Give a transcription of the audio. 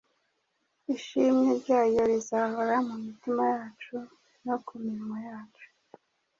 ishimwe ryayo rizahora mu mitima yacu no ku minwa yacu.